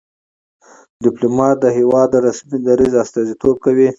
ډيپلومات د هېواد د رسمي دریځ استازیتوب کوي.